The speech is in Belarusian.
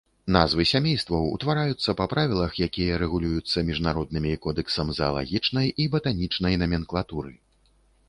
Назвы сямействаў ўтвараюцца па правілах, якія рэгулююцца міжнароднымі кодэксам заалагічнай і батанічнай наменклатуры.